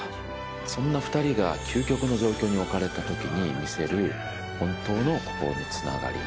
そんな２人が究極の状況に置かれた時に見せる本当の心のつながり